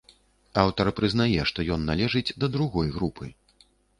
Аўтар прызнае, што ён належыць да другой групы.